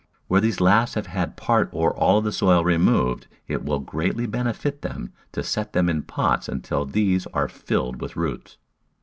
Where these last have had part or all of the soil removed it will greatly benefit them to set them in pots until these are filled with roots.